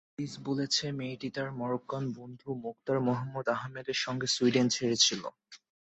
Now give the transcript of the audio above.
Police বলছে, মেয়েটি তার মরোক্কান বন্ধু মোক্তার মোহাম্মদ আহমেদের সঙ্গে সুইডেন ছেড়েছিল।